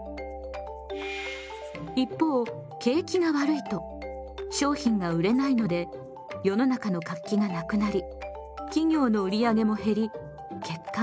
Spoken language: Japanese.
一方景気が悪いと商品が売れないので世の中の活気がなくなり企業の売り上げも減り結果